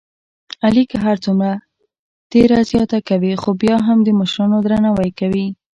علی که هرڅومره تېره زیاته کوي، خوبیا هم د مشرانو درناوی لري.